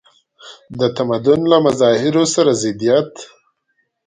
د تمدن له مظاهرو سره ضدیت.